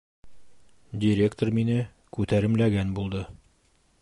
Директор мине күтәремләгән булды: